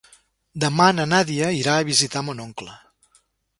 Demà na Nàdia irà a visitar mon oncle.